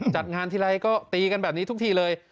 จัดงานทีไรก็ตีกันแบบนี้ทุกทีเลย